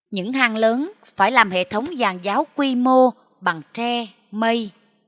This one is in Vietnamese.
những hang lớn phải làm hệ thống giàn giáo quy mô bằng tre mây